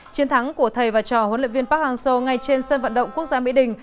chiến thắng của thầy và trò huấn luyện viên park hang seo ngay trên sân vận động quốc gia mỹ đình